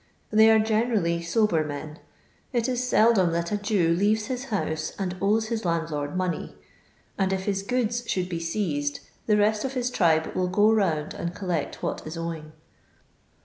They are generally sober men. It is seUom that a Jew iMves his house and owes his landlord money ; and if his goods should be seized th« rest of hi« tribe will go round and collect what is owing.